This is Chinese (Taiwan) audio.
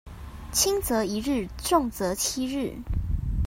輕則一日重則七日